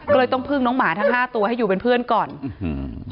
ก็เลยต้องพึ่งน้องหมาทั้งห้าตัวให้อยู่เป็นเพื่อนก่อนอื้อหือ